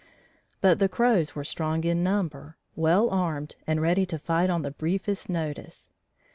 But the Crows were strong in numbers, well armed and ready to fight on the briefest notice.